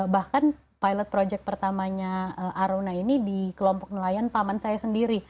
bahkan pilot project pertamanya aruna ini di kelompok nelayan paman saya sendiri